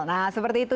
nah seperti itu